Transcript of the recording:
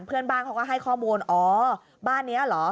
เพื่อนบ้านเขาก็ให้ข้อมูลอ๋อบ้านนี้เหรอ